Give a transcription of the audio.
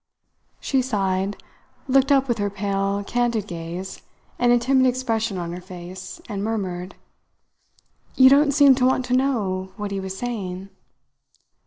She sighed, looked up with her pale, candid gaze and a timid expression on her face, and murmured: "You don't seem to want to know what he was saying."